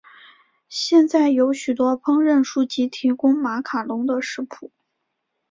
现在有许多烹饪书籍提供马卡龙的食谱。